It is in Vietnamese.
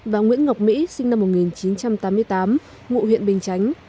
và nguyễn ngọc mỹ sinh năm một nghìn chín trăm tám mươi tám ngụ huyện bình chánh